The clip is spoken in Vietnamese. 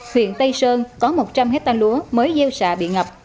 huyện tây sơn có một trăm linh hectare lúa mới gieo xạ bị ngập